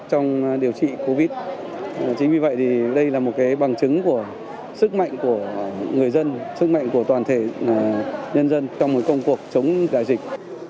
trong điều trị covid một mươi chín chính vì vậy đây là một bằng chứng của sức mạnh của người dân sức mạnh của toàn thể nhân dân trong một công cuộc chống đại dịch